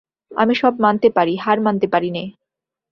আমি সব মানতে পারি, হার মানতে পারি নে।